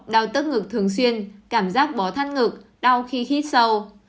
đau tức ngực thường xuyên cảm giác bó thân ngực đau khi hít sâu